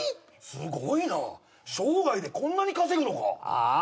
すごいな生涯でこんなに稼ぐのかあっ